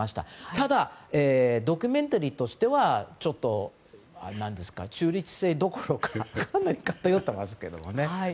ただ、ドキュメンタリーとしてはちょっと中立性どころかかなり偏っていますけれどもね。